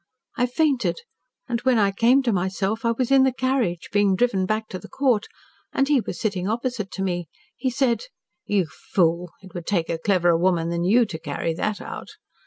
I fainted and when I came to myself I was in the carriage, being driven back to the Court, and he was sitting opposite to me. He said, 'You fool! It would take a cleverer woman than you to carry that out.'